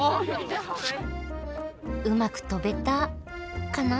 うまく飛べたカナ？